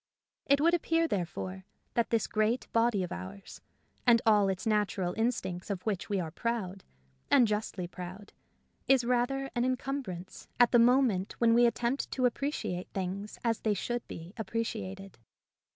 It would appear, therefore, that this great body of ours and all its natural instincts, of which we are proud, and justly proud, is rather an encumbrance at the moment when we attempt to appreciate things as they should be appreciated.